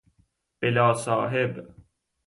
بلاصاحب